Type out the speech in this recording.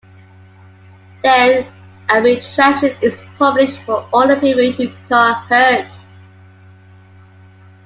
Then a retraction is published for all the people who got hurt.